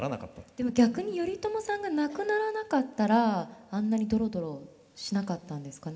でも逆に頼朝さんが亡くならなかったらあんなにドロドロしなかったんですかね